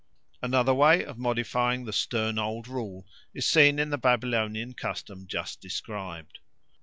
Another way of modifying the stern old rule is seen in the Babylonian custom just described.